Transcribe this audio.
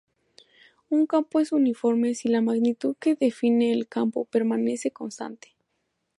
Un campo es uniforme si la magnitud que define al campo permanece constante.